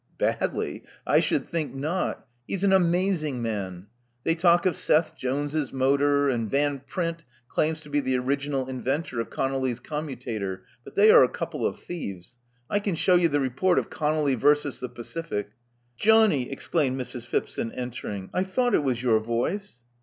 Badly! I should think not He's an amazing man. They talk of Seth Jones's motor; and Van Print claims to be the original inventor of Conolly's commutator. But they are a couple of thieves. I can shew you the report of Conolly versus the Pacific "Johnny!" exclaimed Mrs. Phipson, entering. I thought it was your voice.